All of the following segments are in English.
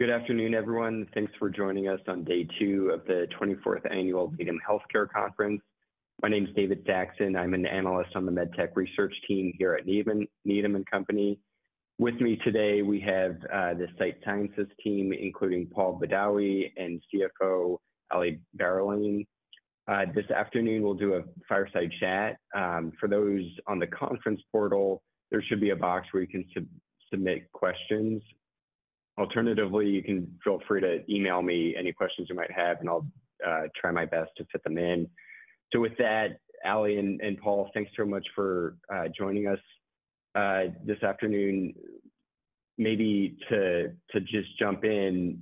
Good afternoon, everyone. Thanks for joining us on day two of the 24th Annual Needham Healthcare Conference. My name is David Saxon. I'm an analyst on the MedTech research team here at Needham & Company. With me today, we have the Sight Sciences team, including Paul Badawi and CFO Ali Bauerlein. This afternoon, we'll do a fireside chat. For those on the conference portal, there should be a box where you can submit questions. Alternatively, you can feel free to email me any questions you might have, and I'll try my best to fit them in. With that, Ali and Paul, thanks so much for joining us this afternoon. Maybe to just jump in,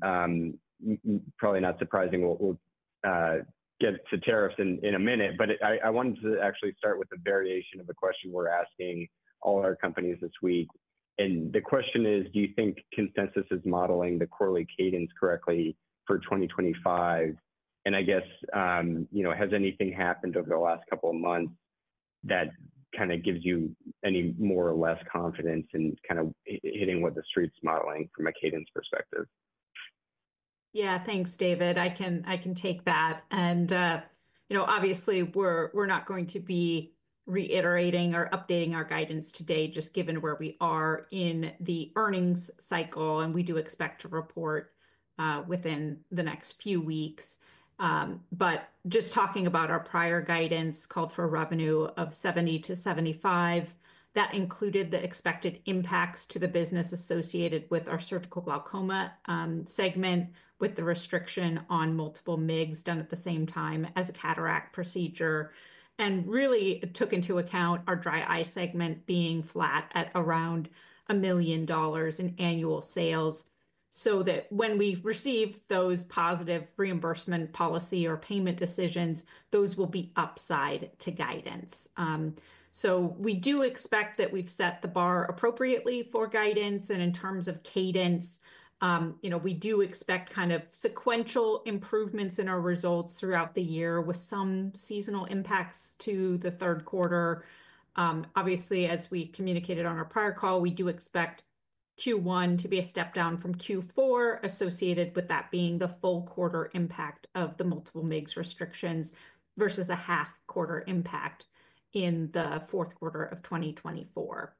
probably not surprising, we'll get to tariffs in a minute, but I wanted to actually start with a variation of the question we're asking all our companies this week. The question is, do you think consensus is modeling the quarterly cadence correctly for 2025? I guess, has anything happened over the last couple of months that kind of gives you any more or less confidence in kind of hitting what the street's modeling from a cadence perspective? Yeah, thanks, David. I can take that. Obviously, we're not going to be reiterating or updating our guidance today, just given where we are in the earnings cycle, and we do expect to report within the next few weeks. Just talking about our prior guidance, it called for a revenue of $70 million-$75 million, that included the expected impacts to the business associated with our surgical glaucoma segment, with the restriction on multiple MIGS done at the same time as a cataract procedure. It took into account our dry eye segment being flat at around $1 million in annual sales, so that when we receive those positive reimbursement policy or payment decisions, those will be upside to guidance. We do expect that we've set the bar appropriately for guidance. In terms of cadence, we do expect kind of sequential improvements in our results throughout the year, with some seasonal impacts to the third quarter. Obviously, as we communicated on our prior call, we do expect Q1 to be a step down from Q4, associated with that being the full quarter impact of the multiple MIGS restrictions versus a half quarter impact in the fourth quarter of 2024.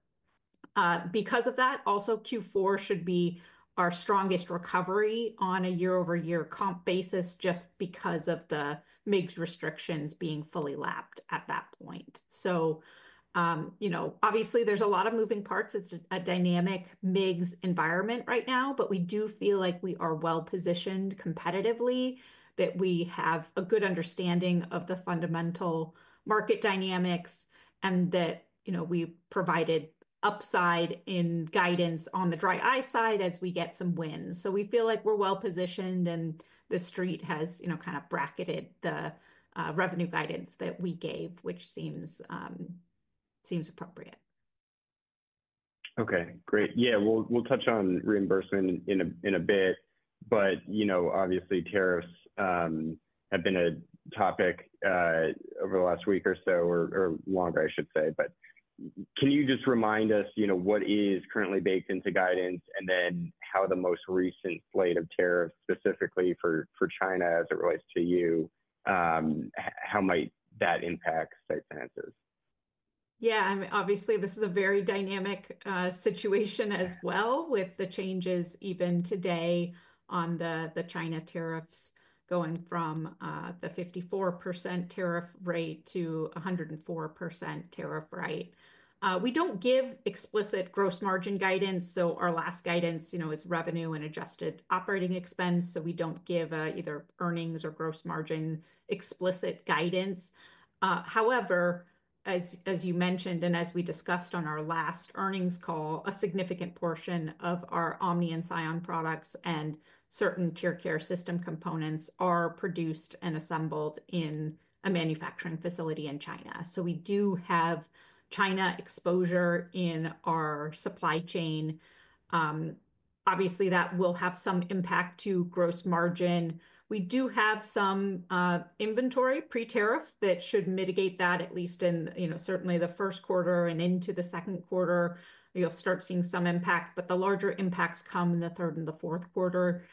Because of that, also, Q4 should be our strongest recovery on a year-over-year comp basis, just because of the MIGS restrictions being fully lapped at that point. Obviously, there is a lot of moving parts. It is a dynamic MIGS environment right now, but we do feel like we are well positioned competitively, that we have a good understanding of the fundamental market dynamics, and that we provided upside in guidance on the dry eye side as we get some wind. We feel like we're well positioned, and the street has kind of bracketed the revenue guidance that we gave, which seems appropriate. Okay, great. Yeah, we'll touch on reimbursement in a bit, but obviously, tariffs have been a topic over the last week or so, or longer, I should say. Can you just remind us what is currently baked into guidance, and then how the most recent slate of tariffs, specifically for China as it relates to you, how might that impact Sight Sciences? Yeah, obviously, this is a very dynamic situation as well, with the changes even today on the China tariffs going from the 54% tariff rate-104% tariff rate. We do not give explicit gross margin guidance. Our last guidance is revenue and adjusted operating expense. We do not give either earnings or gross margin explicit guidance. However, as you mentioned, and as we discussed on our last earnings call, a significant portion of our Omni and SION products and certain TearCare System components are produced and assembled in a manufacturing facility in China. We do have China exposure in our supply chain. Obviously, that will have some impact to gross margin. We do have some inventory pre-tariff that should mitigate that, at least in certainly the first quarter and into the second quarter, you'll start seeing some impact, but the larger impacts come in the third and the fourth quarter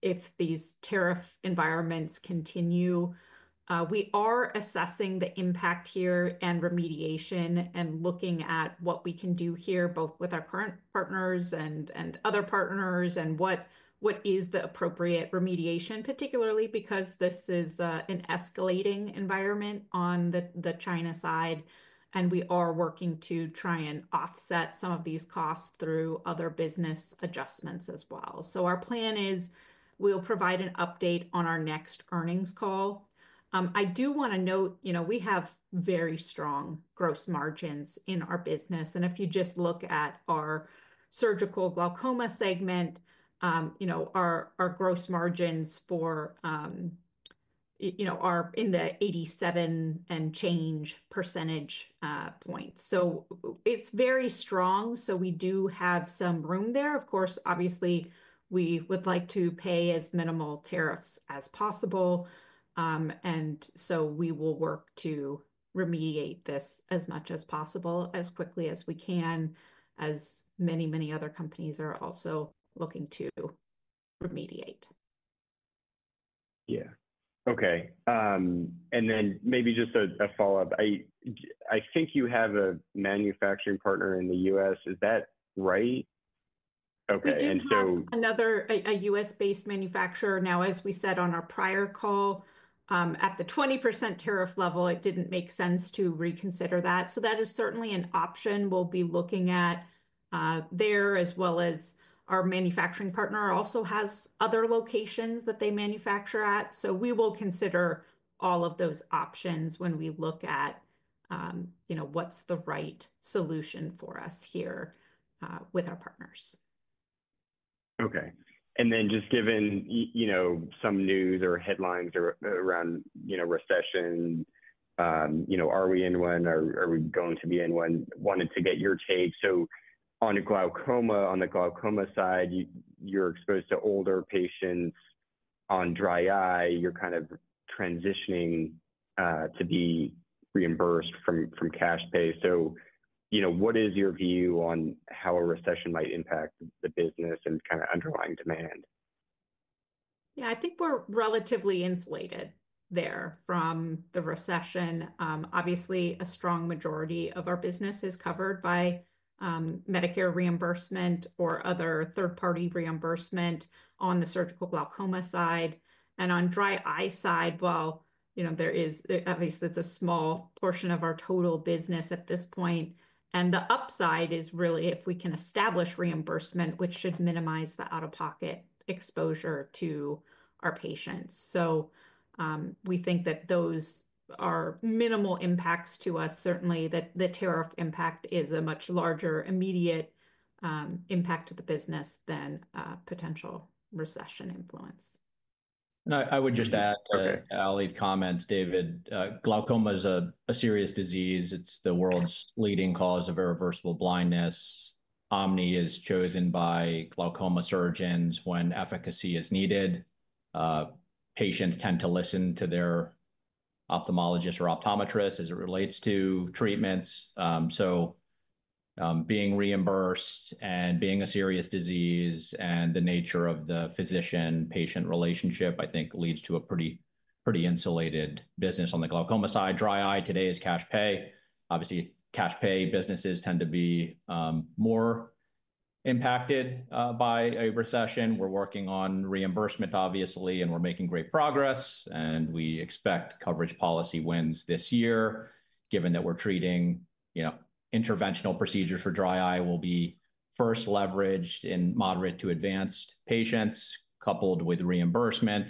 if these tariff environments continue. We are assessing the impact here and remediation and looking at what we can do here, both with our current partners and other partners, and what is the appropriate remediation, particularly because this is an escalating environment on the China side, and we are working to try and offset some of these costs through other business adjustments as well. Our plan is we'll provide an update on our next earnings call. I do want to note we have very strong gross margins in our business. If you just look at our surgical glaucoma segment, our gross margins are in the 87 and change percentage points. It is very strong. We do have some room there. Of course, obviously, we would like to pay as minimal tariffs as possible. We will work to remediate this as much as possible, as quickly as we can, as many, many other companies are also looking to remediate. Yeah. Okay. Maybe just a follow-up. I think you have a manufacturing partner in the U.S. Is that right? Okay. Another U.S.-based manufacturer. Now, as we said on our prior call, at the 20% tariff level, it did not make sense to reconsider that. That is certainly an option we will be looking at there, as well as our manufacturing partner also has other locations that they manufacture at. We will consider all of those options when we look at what is the right solution for us here with our partners. Okay. Just given some news or headlines around recession, are we in one? Are we going to be in one? Wanted to get your take. On the glaucoma side, you're exposed to older patients. On dry eye, you're kind of transitioning to be reimbursed from cash pay. What is your view on how a recession might impact the business and kind of underlying demand? Yeah, I think we're relatively insulated there from the recession. Obviously, a strong majority of our business is covered by Medicare reimbursement or other third-party reimbursement on the surgical glaucoma side. On dry eye side, there is, obviously, it's a small portion of our total business at this point. The upside is really if we can establish reimbursement, which should minimize the out-of-pocket exposure to our patients. We think that those are minimal impacts to us. Certainly, the tariff impact is a much larger immediate impact to the business than potential recession influence. I would just add to Ali's comments, David, glaucoma is a serious disease. It is the world's leading cause of irreversible blindness. Omni is chosen by glaucoma surgeons when efficacy is needed. Patients tend to listen to their ophthalmologist or optometrist as it relates to treatments. Being reimbursed and being a serious disease and the nature of the physician-patient relationship, I think, leads to a pretty insulated business on the glaucoma side. Dry eye today is cash pay. Obviously, cash pay businesses tend to be more impacted by a recession. We are working on reimbursement, obviously, and we are making great progress. We expect coverage policy wins this year, given that we are treating interventional procedures for dry eye will be first leveraged in moderate to advanced patients coupled with reimbursement.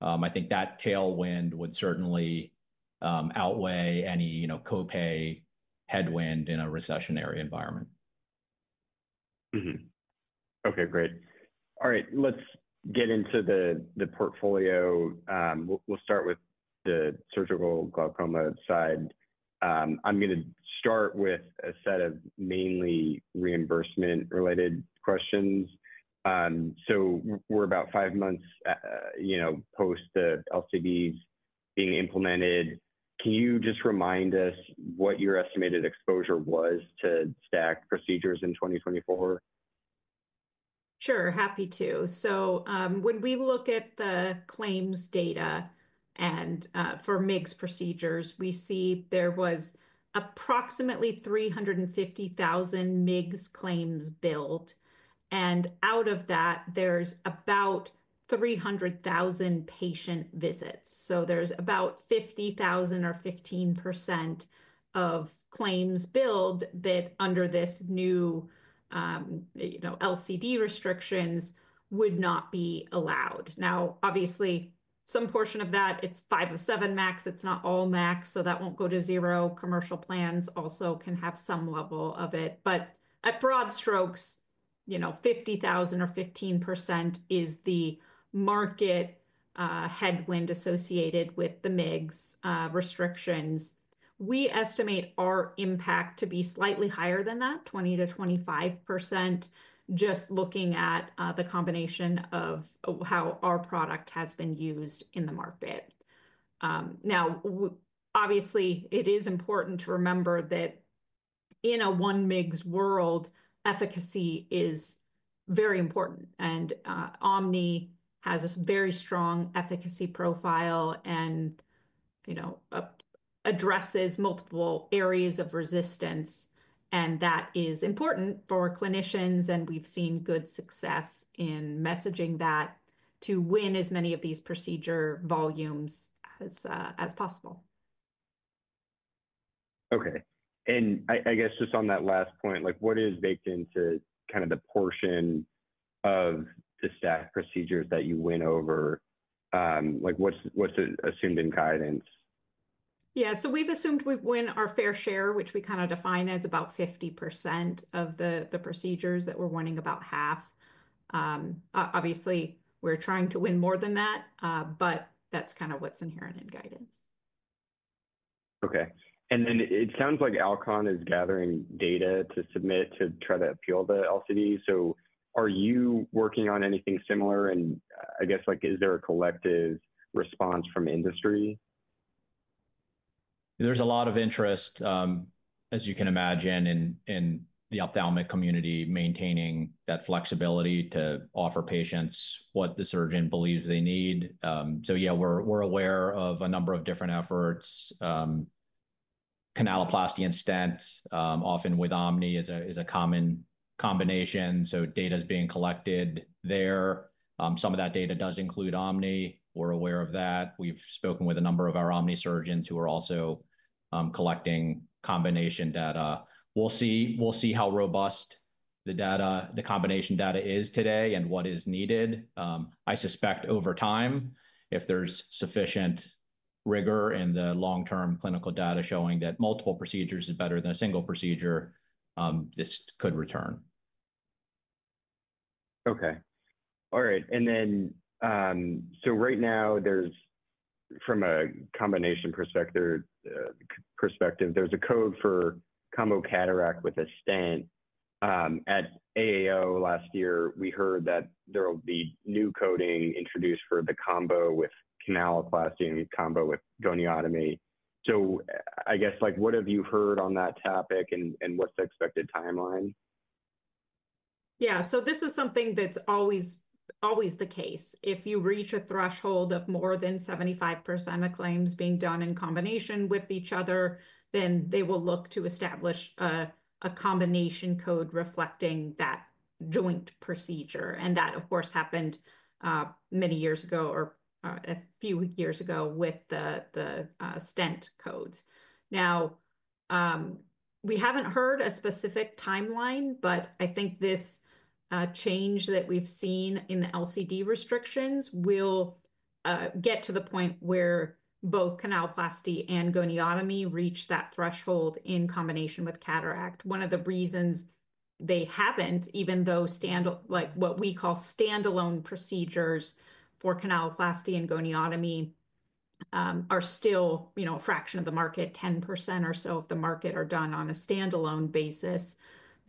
I think that tailwind would certainly outweigh any copay headwind in a recessionary environment. Okay, great. All right, let's get into the portfolio. We'll start with the surgical glaucoma side. I'm going to start with a set of mainly reimbursement-related questions. We are about five months post the LCDs being implemented. Can you just remind us what your estimated exposure was to stent procedures in 2024? Sure, happy to. When we look at the claims data for MIGS procedures, we see there was approximately 350,000 MIGS claims billed. Out of that, there's about 300,000 patient visits. There's about 50,000 or 15% of claims billed that under this new LCD restrictions would not be allowed. Obviously, some portion of that, it's five of seven max. It's not all max, so that won't go to zero. Commercial plans also can have some level of it. At broad strokes, 50,000 or 15% is the market headwind associated with the MIGS restrictions. We estimate our impact to be slightly higher than that, 20%-25%, just looking at the combination of how our product has been used in the market. Obviously, it is important to remember that in a one MIGS world, efficacy is very important. Omni has a very strong efficacy profile and addresses multiple areas of resistance. That is important for clinicians. We have seen good success in messaging that to win as many of these procedure volumes as possible. Okay. I guess just on that last point, what is baked into kind of the portion of the stent procedures that you win over? What's assumed in guidance? Yeah, we have assumed we win our fair share, which we kind of define as about 50% of the procedures, that we are winning about half. Obviously, we are trying to win more than that, but that is kind of what is inherent in guidance. Okay. It sounds like Alcon is gathering data to submit to try to appeal the LCD. Are you working on anything similar? I guess, is there a collective response from industry? There's a lot of interest, as you can imagine, in the ophthalmic community maintaining that flexibility to offer patients what the surgeon believes they need. Yeah, we're aware of a number of different efforts. Canaloplasty and stent, often with Omni, is a common combination. Data is being collected there. Some of that data does include Omni. We're aware of that. We've spoken with a number of our Omni surgeons who are also collecting combination data. We'll see how robust the combination data is today and what is needed. I suspect over time, if there's sufficient rigor in the long-term clinical data showing that multiple procedures is better than a single procedure, this could return. Okay. All right. Right now, from a combination perspective, there's a code for combo cataract with a stent. At AAO last year, we heard that there will be new coding introduced for the combo with canaloplasty and combo with goniotomy. I guess, what have you heard on that topic and what's the expected timeline? Yeah, this is something that's always the case. If you reach a threshold of more than 75% of claims being done in combination with each other, they will look to establish a combination code reflecting that joint procedure. That, of course, happened many years ago or a few years ago with the stent codes. We haven't heard a specific timeline, but I think this change that we've seen in the LCD restrictions will get to the point where both canaloplasty and goniotomy reach that threshold in combination with cataract. One of the reasons they haven't, even though what we call standalone procedures for canaloplasty and goniotomy are still a fraction of the market, 10% or so of the market are done on a standalone basis.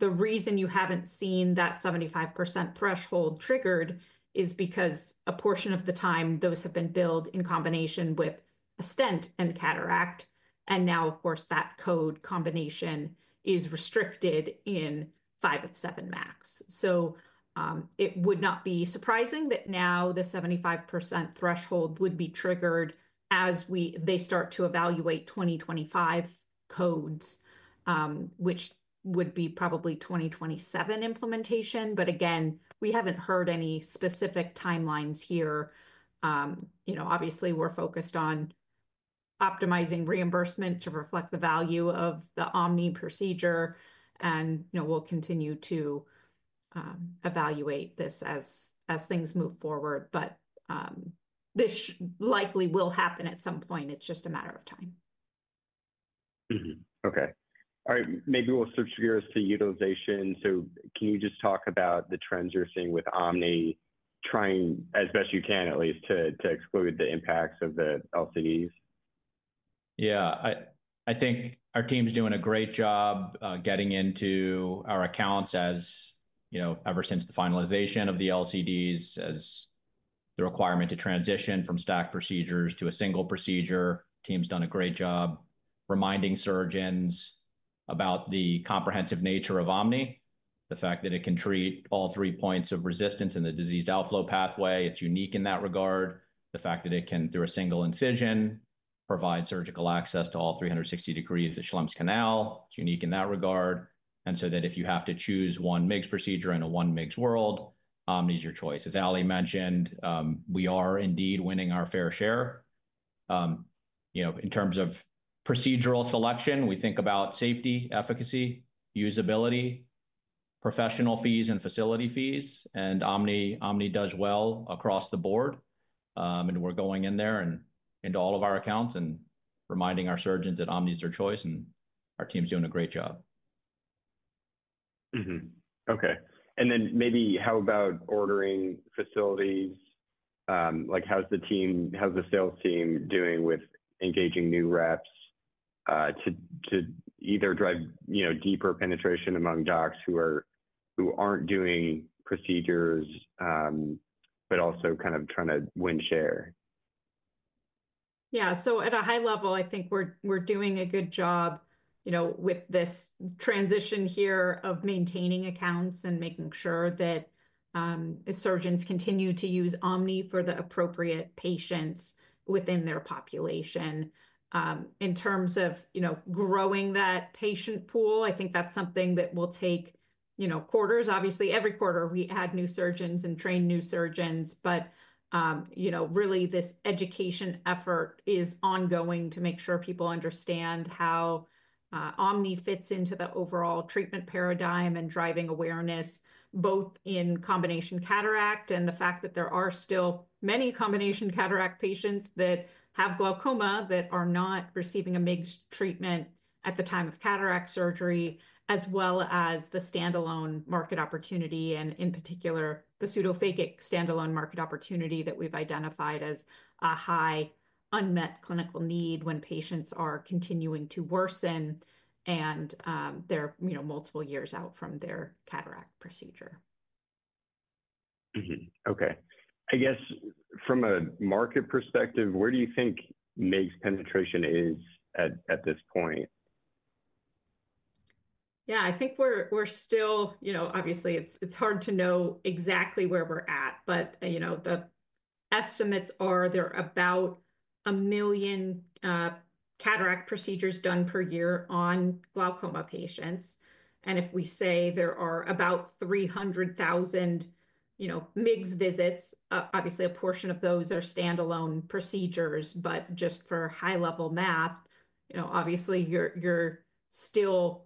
The reason you haven't seen that 75% threshold triggered is because a portion of the time those have been billed in combination with a stent and cataract. Now, of course, that code combination is restricted in five of seven max. It would not be surprising that now the 75% threshold would be triggered as they start to evaluate 2025 codes, which would be probably 2027 implementation. Again, we haven't heard any specific timelines here. Obviously, we're focused on optimizing reimbursement to reflect the value of the Omni procedure. We'll continue to evaluate this as things move forward. This likely will happen at some point. It's just a matter of time. Okay. All right. Maybe we'll switch gears to utilization. So can you just talk about the trends you're seeing with Omni, trying as best you can, at least, to exclude the impacts of the LCDs? Yeah. I think our team's doing a great job getting into our accounts ever since the finalization of the LCDs, as the requirement to transition from stent procedures to a single procedure. Team's done a great job reminding surgeons about the comprehensive nature of Omni, the fact that it can treat all three points of resistance in the diseased outflow pathway. It's unique in that regard. The fact that it can, through a single incision, provide surgical access to all 360 degrees of Schlemm's canal. It's unique in that regard. If you have to choose one MIGS procedure in a one MIGS world, Omni's your choice. As Ali mentioned, we are indeed winning our fair share. In terms of procedural selection, we think about safety, efficacy, usability, professional fees, and facility fees. Omni does well across the board. We're going in there and into all of our accounts and reminding our surgeons that Omni's their choice and our team's doing a great job. Okay. Maybe how about ordering facilities? How's the sales team doing with engaging new reps to either drive deeper penetration among docs who aren't doing procedures, but also kind of trying to win share? Yeah. At a high level, I think we're doing a good job with this transition here of maintaining accounts and making sure that surgeons continue to use Omni for the appropriate patients within their population. In terms of growing that patient pool, I think that's something that will take quarters. Obviously, every quarter, we add new surgeons and train new surgeons. Really, this education effort is ongoing to make sure people understand how Omni fits into the overall treatment paradigm and driving awareness, both in combination cataract and the fact that there are still many combination cataract patients that have glaucoma that are not receiving a MIGS treatment at the time of cataract surgery, as well as the standalone market opportunity, and in particular, the pseudophakic standalone market opportunity that we've identified as a high unmet clinical need when patients are continuing to worsen and they're multiple years out from their cataract procedure. Okay. I guess from a market perspective, where do you think MIGS penetration is at this point? Yeah, I think we're still, obviously, it's hard to know exactly where we're at. The estimates are there are about 1 million cataract procedures done per year on glaucoma patients. If we say there are about 300,000 MIGS visits, obviously, a portion of those are standalone procedures. Just for high-level math, you're still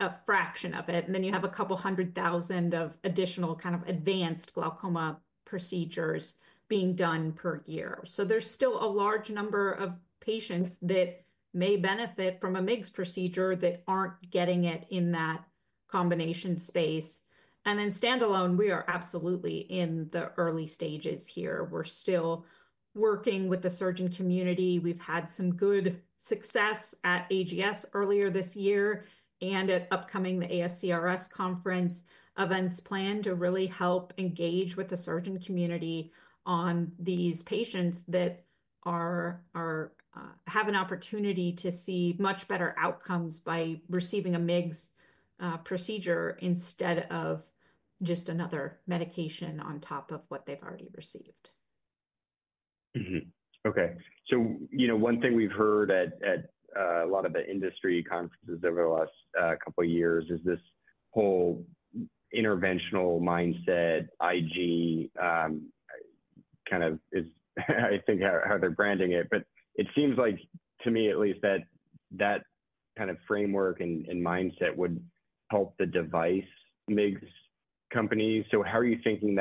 a fraction of it. You have a couple hundred thousand of additional kind of advanced glaucoma procedures being done per year. There's still a large number of patients that may benefit from a MIGS procedure that aren't getting it in that combination space. Standalone, we are absolutely in the early stages here. We're still working with the surgeon community. We've had some good success at AGS earlier this year and at upcoming the ASCRS conference events planned to really help engage with the surgeon community on these patients that have an opportunity to see much better outcomes by receiving a MIGS procedure instead of just another medication on top of what they've already received. Okay. One thing we've heard at a lot of the industry conferences over the last couple of years is this whole interventional mindset, IG kind of, I think how they're branding it. It seems like to me, at least, that that kind of framework and mindset would help the device MIGS company. How are you thinking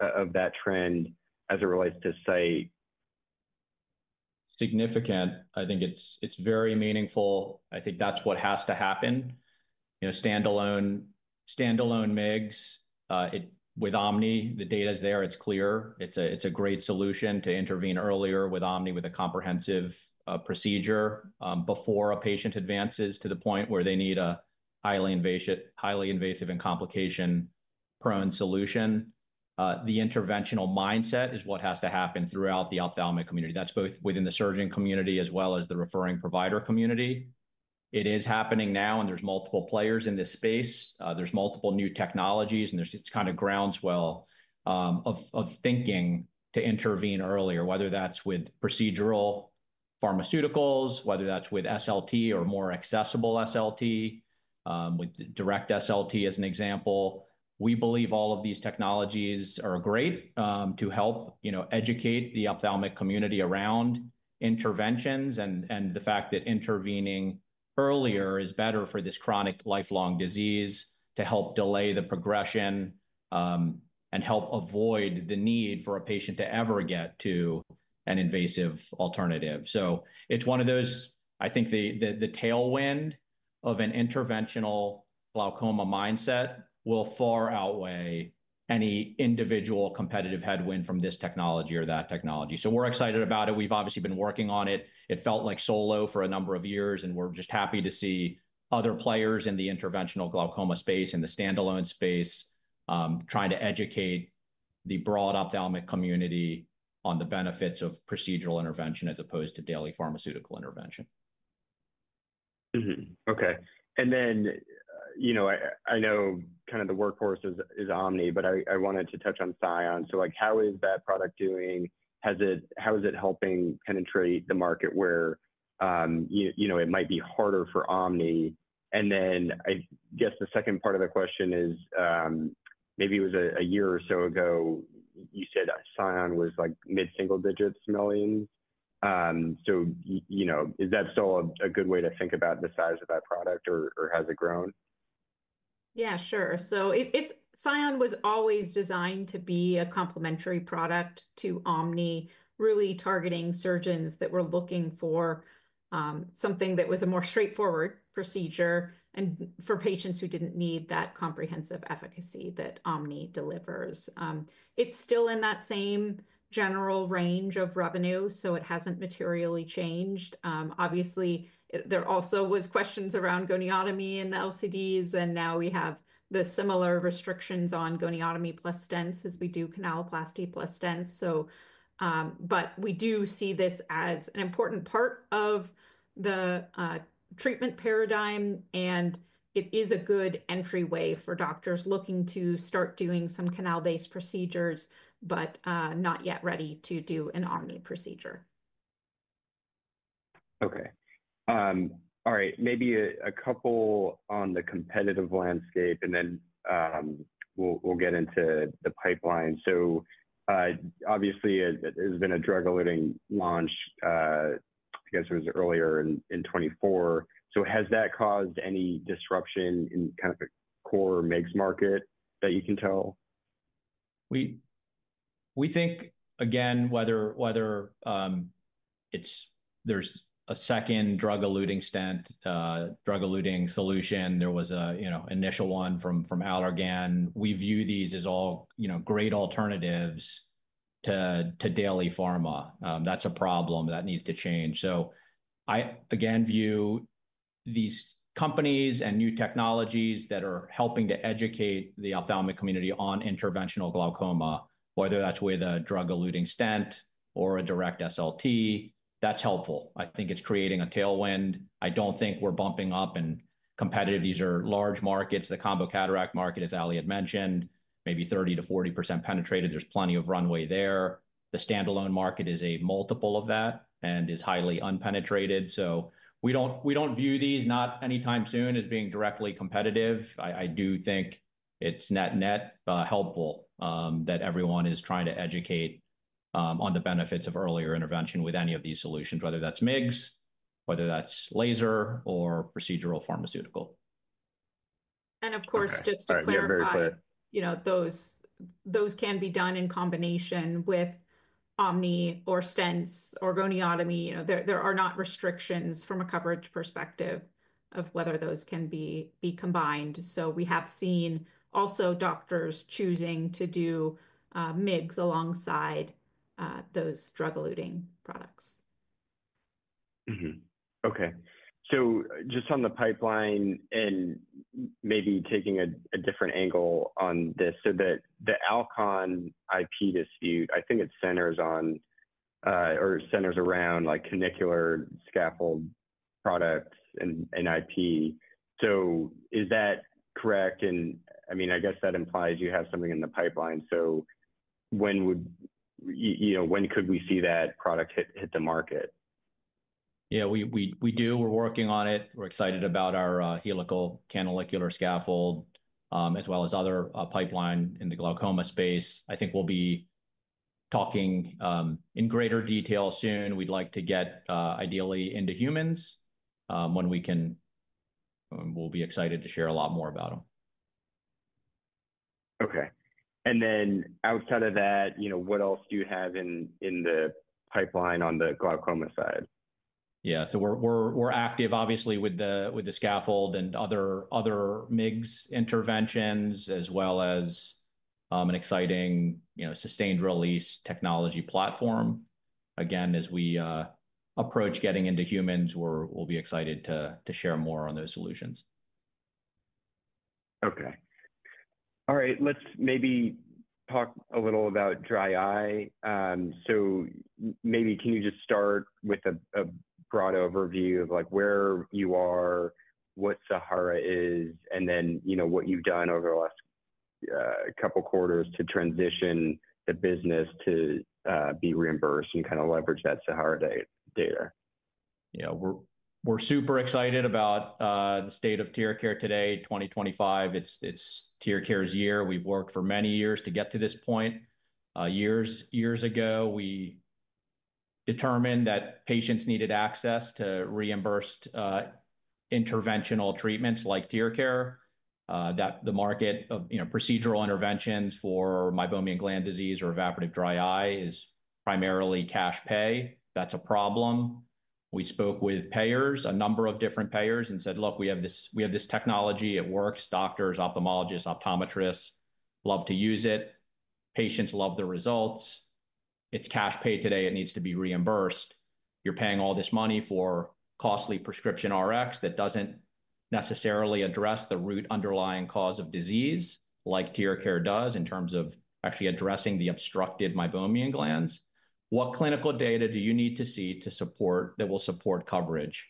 of that trend as it relates to Sight? Significant. I think it's very meaningful. I think that's what has to happen. Standalone MIGS with Omni, the data is there. It's clear. It's a great solution to intervene earlier with Omni with a comprehensive procedure before a patient advances to the point where they need a highly invasive and complication-prone solution. The interventional mindset is what has to happen throughout the ophthalmic community. That's both within the surgeon community as well as the referring provider community. It is happening now, and there's multiple players in this space. There's multiple new technologies, and it's kind of groundswell of thinking to intervene earlier, whether that's with procedural pharmaceuticals, whether that's with SLT or more accessible SLT, with direct SLT as an example. We believe all of these technologies are great to help educate the ophthalmic community around interventions and the fact that intervening earlier is better for this chronic lifelong disease to help delay the progression and help avoid the need for a patient to ever get to an invasive alternative. It is one of those, I think, the tailwind of an interventional glaucoma mindset will far outweigh any individual competitive headwind from this technology or that technology. We are excited about it. We have obviously been working on it. It felt like solo for a number of years, and we are just happy to see other players in the interventional glaucoma space and the standalone space trying to educate the broad ophthalmic community on the benefits of procedural intervention as opposed to daily pharmaceutical intervention. Okay. I know kind of the workhorse is Omni, but I wanted to touch on SION. How is that product doing? How is it helping penetrate the market where it might be harder for Omni? I guess the second part of the question is maybe it was a year or so ago, you said SION was like mid-single digits, millions. Is that still a good way to think about the size of that product, or has it grown? Yeah, sure. SION was always designed to be a complementary product to Omni, really targeting surgeons that were looking for something that was a more straightforward procedure and for patients who did not need that comprehensive efficacy that Omni delivers. It is still in that same general range of revenue, so it has not materially changed. Obviously, there also were questions around goniotomy and LCDs, and now we have the similar restrictions on goniotomy plus stents as we do canaloplasty plus stents. We do see this as an important part of the treatment paradigm, and it is a good entry way for doctors looking to start doing some canal-based procedures, but not yet ready to do an Omni procedure. Okay. All right. Maybe a couple on the competitive landscape, and then we'll get into the pipeline. Obviously, there's been a drug-eluting launch, I guess it was earlier in 2024. Has that caused any disruption in kind of the core MIGS market that you can tell? We think, again, whether there's a second drug-eluting stent, drug-eluting solution, there was an initial one from Allergan. We view these as all great alternatives to daily pharma. That's a problem that needs to change. I, again, view these companies and new technologies that are helping to educate the ophthalmic community on interventional glaucoma, whether that's with a drug-eluting stent or a direct SLT, that's helpful. I think it's creating a tailwind. I don't think we're bumping up in competitive. These are large markets. The combo cataract market, as Ali had mentioned, maybe 30%-40% penetrated. There's plenty of runway there. The standalone market is a multiple of that and is highly unpenetrated. We don't view these, not anytime soon, as being directly competitive. I do think it's net-net helpful that everyone is trying to educate on the benefits of earlier intervention with any of these solutions, whether that's MIGS, whether that's laser, or procedural pharmaceutical. Of course, just to clarify. Those can be done in combination with Omni or stents or goniotomy. There are not restrictions from a coverage perspective of whether those can be combined. We have seen also doctors choosing to do MIGS alongside those drug-eluting products. Okay. Just on the pipeline and maybe taking a different angle on this, the Alcon IP dispute, I think it centers around canalicular scaffold products and IP. Is that correct? I mean, I guess that implies you have something in the pipeline. When could we see that product hit the market? Yeah, we do. We're working on it. We're excited about our helical canalicular scaffold as well as other pipeline in the glaucoma space. I think we'll be talking in greater detail soon. We'd like to get ideally into humans when we can. We'll be excited to share a lot more about them. Okay. Outside of that, what else do you have in the pipeline on the glaucoma side? Yeah. We are active, obviously, with the scaffold and other MIGS interventions, as well as an exciting sustained-release technology platform. Again, as we approach getting into humans, we will be excited to share more on those solutions. Okay. All right. Let's maybe talk a little about dry eye. Maybe can you just start with a broad overview of where you are, what Sahara is, and then what you've done over the last couple of quarters to transition the business to be reimbursed and kind of leverage that Sahara data? Yeah. We're super excited about the state of TearCare today, 2025. It's TearCare's year. We've worked for many years to get to this point. Years ago, we determined that patients needed access to reimbursed interventional treatments like TearCare, that the market of procedural interventions for meibomian gland disease or evaporative dry eye is primarily cash pay. That's a problem. We spoke with payers, a number of different payers, and said, "Look, we have this technology. It works. Doctors, ophthalmologists, optometrists love to use it. Patients love the results. It's cash pay today. It needs to be reimbursed. You're paying all this money for costly prescription Rx that doesn't necessarily address the root underlying cause of disease, like TearCare does in terms of actually addressing the obstructed meibomian glands. What clinical data do you need to see that will support coverage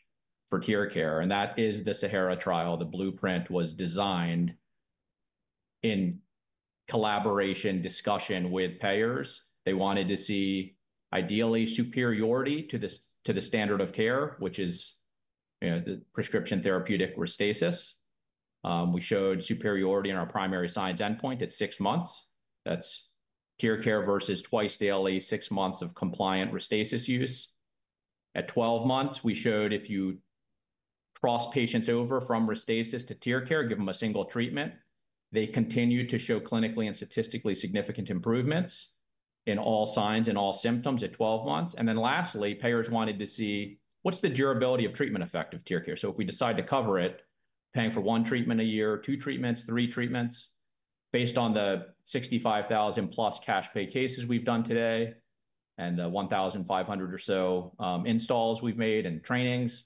for TearCare?" That is the Sahara trial. The blueprint was designed in collaboration discussion with payers. They wanted to see ideally superiority to the standard of care, which is the prescription therapeutic Restasis. We showed superiority in our primary science endpoint at six months. That's TearCare versus twice daily, six months of compliant Restasis use. At 12 months, we showed if you cross patients over from Restasis to TearCare, give them a single treatment, they continue to show clinically and statistically significant improvements in all signs and all symptoms at 12 months. Lastly, payers wanted to see what's the durability of treatment effect of TearCare. If we decide to cover it, paying for one treatment a year, two treatments, three treatments, based on the 65,000-plus cash pay cases we've done today and the 1,500 or so installs we've made and trainings,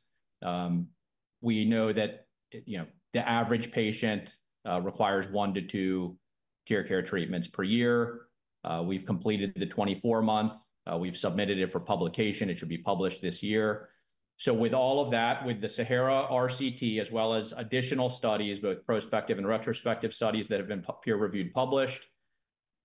we know that the average patient requires one to two TearCare treatments per year. We've completed the 24-month. We've submitted it for publication. It should be published this year. With all of that, with the Sahara RCT, as well as additional studies, both prospective and retrospective studies that have been peer-reviewed published,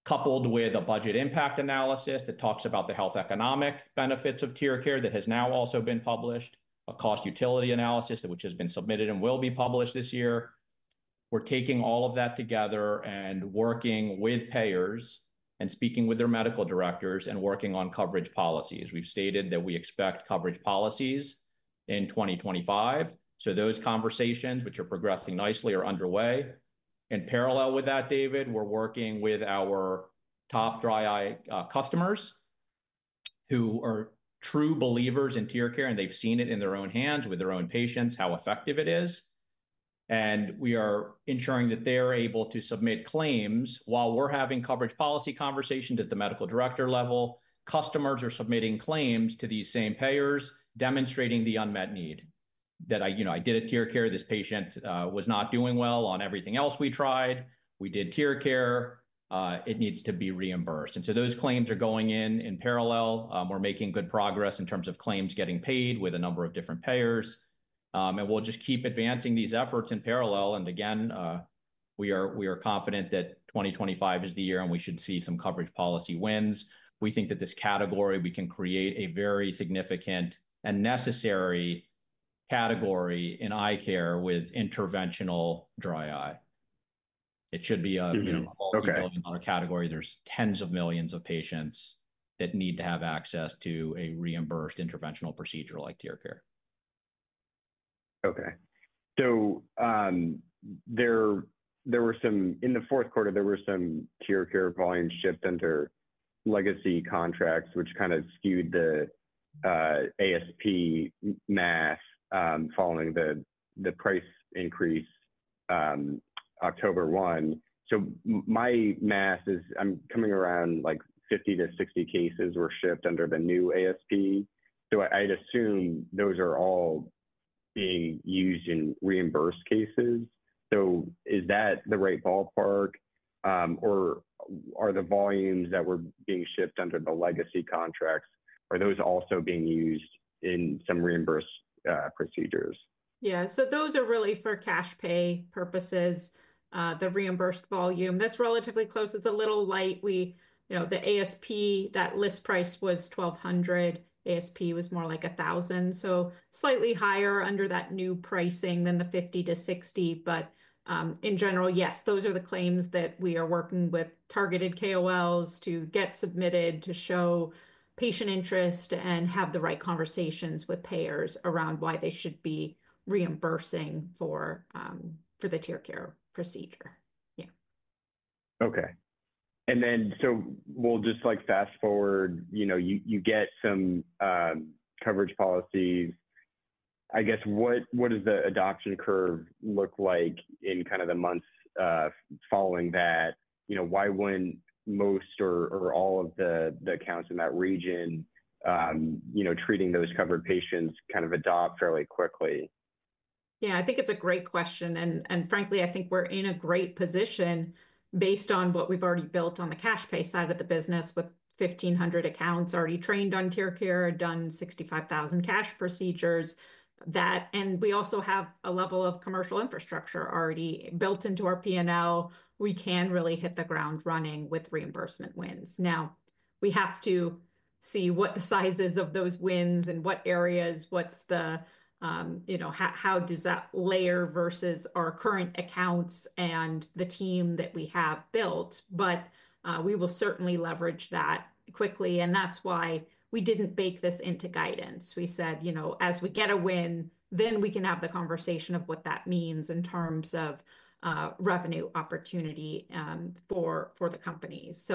coupled with a budget impact analysis that talks about the health economic benefits of TearCare that has now also been published, a cost utility analysis, which has been submitted and will be published this year, we're taking all of that together and working with payers and speaking with their medical directors and working on coverage policies. We've stated that we expect coverage policies in 2025. Those conversations, which are progressing nicely, are underway. In parallel with that, David, we're working with our top dry eye customers who are true believers in TearCare, and they've seen it in their own hands with their own patients, how effective it is. We are ensuring that they're able to submit claims while we're having coverage policy conversations at the medical director level. Customers are submitting claims to these same payers, demonstrating the unmet need that I did at TearCare. This patient was not doing well on everything else we tried. We did TearCare. It needs to be reimbursed. Those claims are going in parallel. We're making good progress in terms of claims getting paid with a number of different payers. We'll just keep advancing these efforts in parallel. We are confident that 2025 is the year and we should see some coverage policy wins. We think that this category, we can create a very significant and necessary category in eye care with interventional dry eye. It should be a multi-billion-dollar category. There are tens of millions of patients that need to have access to a reimbursed interventional procedure like TearCare. Okay. There were some, in the fourth quarter, there were some TearCare volume shifts under legacy contracts, which kind of skewed the ASP math following the price increase October 1. My math is, I'm coming around like 50-60 cases were shipped under the new ASP. I'd assume those are all being used in reimbursed cases. Is that the right ballpark? Or are the volumes that were being shipped under the legacy contracts, are those also being used in some reimbursed procedures? Yeah. Those are really for cash pay purposes, the reimbursed volume. That's relatively close. It's a little light. The ASP, that list price was $1,200. ASP was more like $1,000. So slightly higher under that new pricing than the 50-60. In general, yes, those are the claims that we are working with targeted KOLs to get submitted to show patient interest and have the right conversations with payers around why they should be reimbursing for the TearCare procedure. Yeah. Okay. And then we'll just fast forward. You get some coverage policies. I guess what does the adoption curve look like in kind of the months following that? Why wouldn't most or all of the accounts in that region treating those covered patients kind of adopt fairly quickly? Yeah, I think it's a great question. Frankly, I think we're in a great position based on what we've already built on the cash pay side of the business with 1,500 accounts already trained on TearCare, done 65,000 cash procedures. We also have a level of commercial infrastructure already built into our P&L. We can really hit the ground running with reimbursement wins. Now, we have to see what the sizes of those wins and what areas, how does that layer versus our current accounts and the team that we have built. We will certainly leverage that quickly. That's why we didn't bake this into guidance. We said, as we get a win, then we can have the conversation of what that means in terms of revenue opportunity for the companies.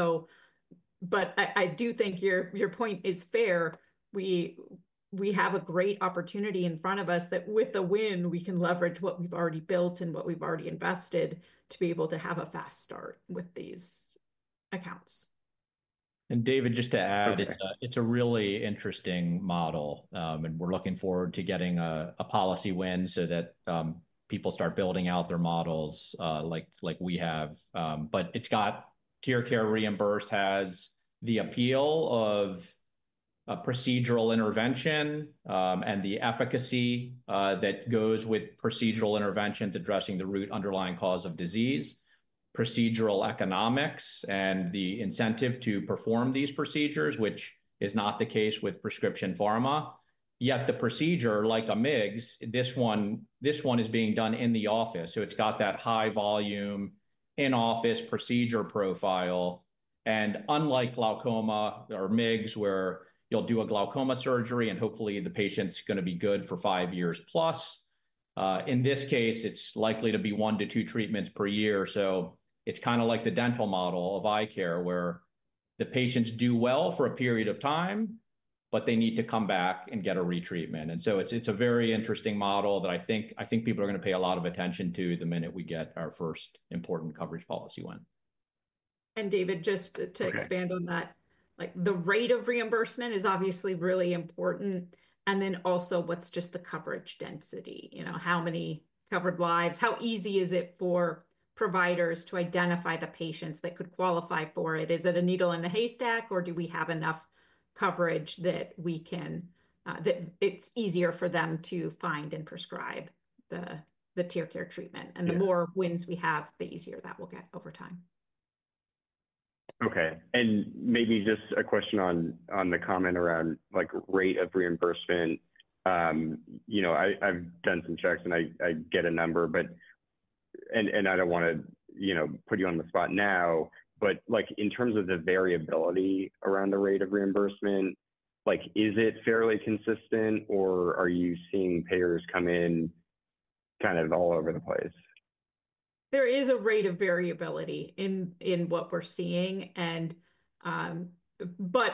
I do think your point is fair. We have a great opportunity in front of us that with a win, we can leverage what we've already built and what we've already invested to be able to have a fast start with these accounts. David, just to add, it's a really interesting model. We're looking forward to getting a policy win so that people start building out their models like we have. But TearCare reimbursed has the appeal of a procedural intervention and the efficacy that goes with procedural intervention to addressing the root underlying cause of disease, procedural economics, and the incentive to perform these procedures, which is not the case with prescription pharma. Yet the procedure, like a MIGS, this one is being done in the office. It's got that high volume in-office procedure profile. Unlike glaucoma or MIGS, where you'll do a glaucoma surgery and hopefully the patient's going to be good for five years plus, in this case, it's likely to be one to two treatments per year. It is kind of like the dental model of eye care, where the patients do well for a period of time, but they need to come back and get a retreatment. It is a very interesting model that I think people are going to pay a lot of attention to the minute we get our first important coverage policy win. David, just to expand on that, the rate of reimbursement is obviously really important. Also, what's just the coverage density? How many covered lives? How easy is it for providers to identify the patients that could qualify for it? Is it a needle in the haystack, or do we have enough coverage that it's easier for them to find and prescribe the TearCare treatment? The more wins we have, the easier that will get over time. Okay. Maybe just a question on the comment around rate of reimbursement. I've done some checks, and I get a number, and I don't want to put you on the spot now. In terms of the variability around the rate of reimbursement, is it fairly consistent, or are you seeing payers come in kind of all over the place? There is a rate of variability in what we're seeing.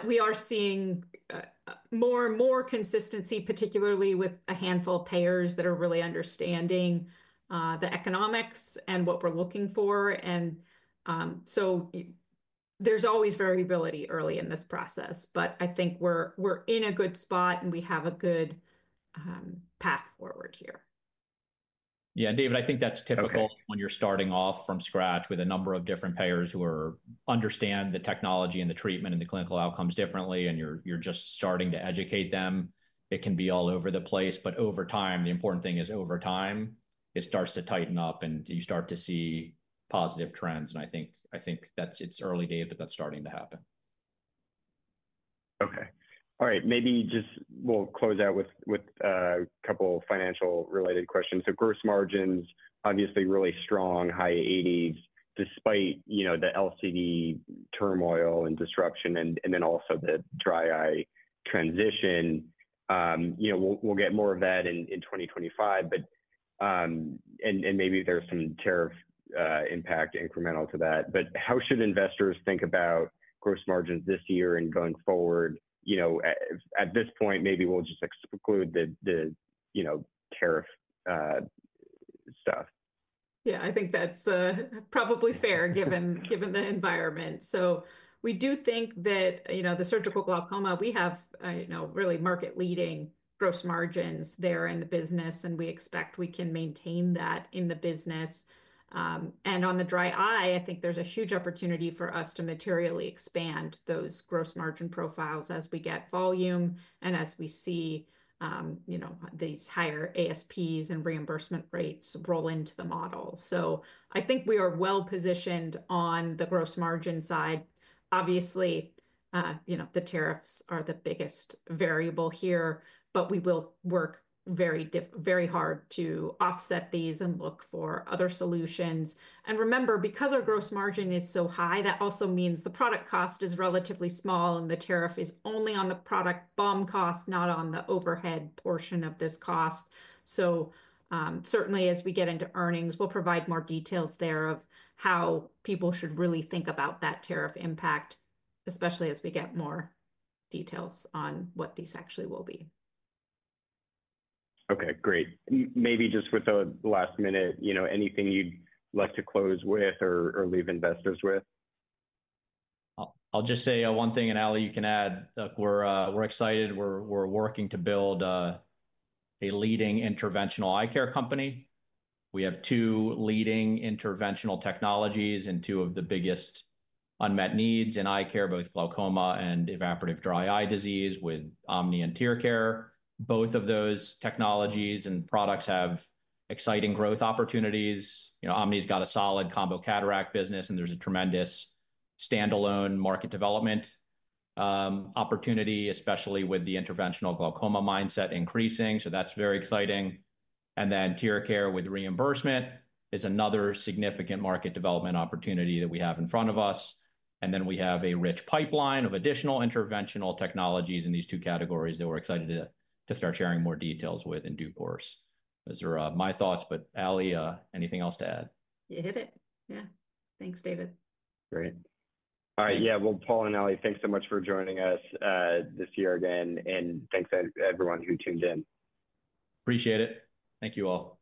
We are seeing more and more consistency, particularly with a handful of payers that are really understanding the economics and what we're looking for. There is always variability early in this process. I think we're in a good spot, and we have a good path forward here. Yeah. David, I think that's typical when you're starting off from scratch with a number of different payers who understand the technology and the treatment and the clinical outcomes differently, and you're just starting to educate them. It can be all over the place. Over time, the important thing is over time, it starts to tighten up, and you start to see positive trends. I think it's early, David, that that's starting to happen. Okay. All right. Maybe just we'll close out with a couple of financial-related questions. Gross margins, obviously really strong, high 1980, despite the LCD turmoil and disruption and then also the dry eye transition. We'll get more of that in 2025, and maybe there's some tariff impact incremental to that. How should investors think about gross margins this year and going forward? At this point, maybe we'll just exclude the tariff stuff. Yeah. I think that's probably fair given the environment. We do think that the surgical glaucoma, we have really market-leading gross margins there in the business, and we expect we can maintain that in the business. On the dry eye, I think there's a huge opportunity for us to materially expand those gross margin profiles as we get volume and as we see these higher ASPs and reimbursement rates roll into the model. I think we are well-positioned on the gross margin side. Obviously, the tariffs are the biggest variable here, but we will work very hard to offset these and look for other solutions. Remember, because our gross margin is so high, that also means the product cost is relatively small, and the tariff is only on the product BOM cost, not on the overhead portion of this cost. Certainly, as we get into earnings, we'll provide more details there of how people should really think about that tariff impact, especially as we get more details on what these actually will be. Okay. Great. Maybe just with the last minute, anything you'd like to close with or leave investors with? I'll just say one thing, and Ali, you can add. We're excited. We're working to build a leading interventional eye care company. We have two leading interventional technologies and two of the biggest unmet needs in eye care, both glaucoma and evaporative dry eye disease with Omni and TearCare. Both of those technologies and products have exciting growth opportunities. Omni's got a solid combo cataract business, and there is a tremendous standalone market development opportunity, especially with the interventional glaucoma mindset increasing. That is very exciting. TearCare with reimbursement is another significant market development opportunity that we have in front of us. We have a rich pipeline of additional interventional technologies in these two categories that we're excited to start sharing more details with in due course. Those are my thoughts. Ali, anything else to add? You hit it. Yeah. Thanks, David. Great. All right. Yeah. Paul and Ali, thanks so much for joining us this year again. Thanks to everyone who tuned in. Appreciate it. Thank you all. Great.